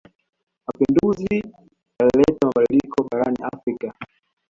Mapenduzi yalileta mabadiliko barani Afrika.